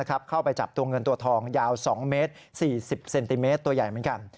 เข้าไปจับตัวเงินตัวทองยาว๒เมตร๔๐เซนติเมตรตัวใหญ่เหมือนกัน